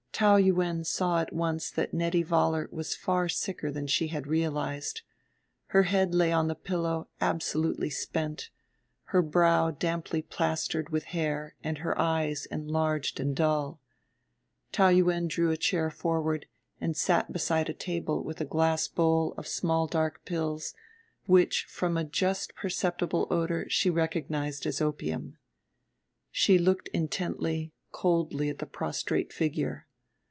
Taou Yuen saw at once that Nettie Vollar was far sicker than she had realized: her head lay on the pillow absolutely spent, her brow damply plastered with hair and her eyes enlarged and dull. Taou Yuen drew a chair forward and sat beside a table with a glass bowl of small dark pills which from a just perceptible odor she recognized as opium. She looked intently, coldly, at the prostrate figure.